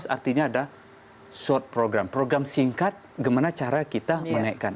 dua ribu sembilan belas artinya ada short program program singkat gimana cara kita menaikkan